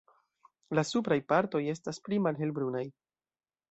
La supraj partoj estas pli malhelbrunaj.